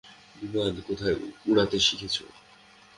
বিমান কোথায় উড়াতে শিখেছো?